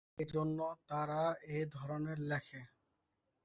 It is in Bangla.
এ জন্য তারা এ ধরনের লেখে।